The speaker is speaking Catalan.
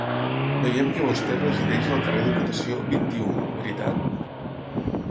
Veiem que vostè resideix al Carrer Diputació, vint-i-u, veritat?